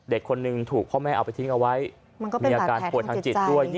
เด็กคนหนึ่งถูกพ่อแม่เอาไปทิ้งเอาไว้มีอาการป่วยทางจิตด้วย